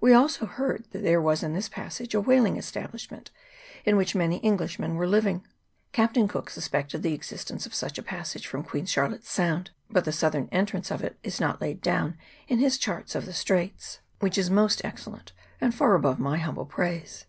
We also heard that there was in this passage a whaling establishment, in which many Englishmen were living. Captain Cook suspected the existence of such a passage from Queen Char lotte's Sound, but the southern entrance of it is not laid down in his chart of the Straits, which is most CHAP. II.] SHIP COVE. 33 excellent, and far above my humble praise.